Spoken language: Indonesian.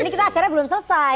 ini kita acaranya belum selesai